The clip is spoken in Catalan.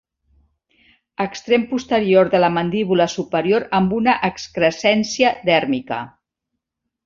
Extrem posterior de la mandíbula superior amb una excrescència dèrmica.